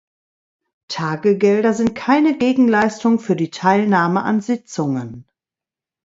Tagegelder sind keine Gegenleistung für die Teilnahme an Sitzungen.